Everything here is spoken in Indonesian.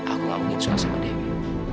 aku gak mungkin suka sama dewi